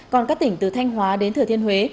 còn các tỉnh từ thanh hóa đến thừa thiên huế